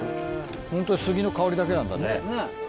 ホントに杉の香りだけなんだね。ねぇ。